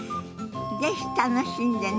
是非楽しんでね。